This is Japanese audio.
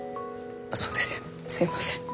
そうですよねすいません。